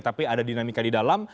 tapi ada dinamika di dalam